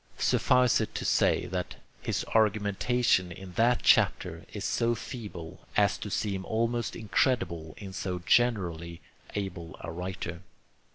Suffice it to say that his argumentation in that chapter is so feeble as to seem almost incredible in so generally able a writer.